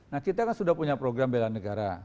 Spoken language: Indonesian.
nah kita kan sudah punya program bela negara